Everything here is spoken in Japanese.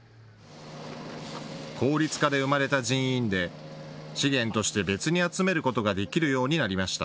効率化で生まれた人員で資源として別に集めることができるようになりました。